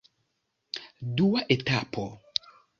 Dua etapo.